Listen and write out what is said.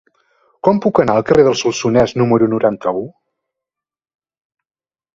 Com puc anar al carrer del Solsonès número noranta-u?